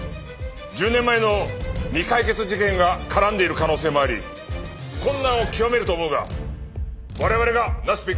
１０年前の未解決事件が絡んでいる可能性もあり困難を極めると思うが我々がなすべき事はただ一つ。